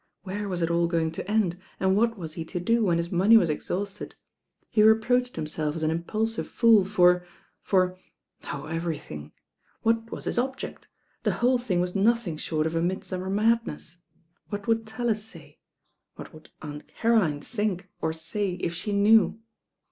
Where was it all going to end, and what was he to do when his money was ex. hausted? He reproached himself as an impulsive fool for for— oh, everything. What was his ob ject? The whole thing was nothing short of a mid summer madness. What would Tallis say? What would Aunt Caroline think, or say, if she knew?